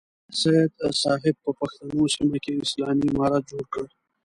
سید صاحب په پښتنو سیمه کې اسلامي امارت جوړ کړ.